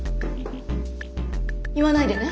言わないでね？